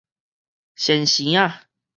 先生仔